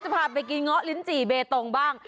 พาไปกินเงาะลิ้นจี่เบตงบ้าง